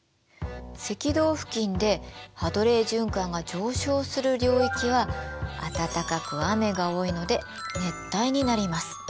赤道付近でハドレー循環が上昇する領域は暖かく雨が多いので熱帯になります。